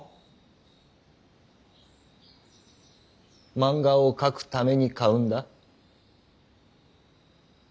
漫画を描くために買うんだ。